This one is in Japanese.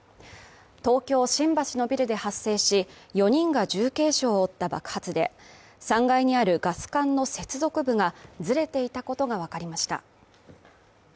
東京・新橋のビルで発生し、４人が重軽傷を負った爆発で、３階にあるガス管の接続部がずれていたことがわかりました。